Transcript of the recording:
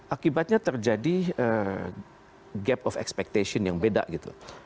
akibatnya terjadi gap of expectation yang beda gitu